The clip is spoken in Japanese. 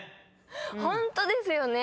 ホントですよね。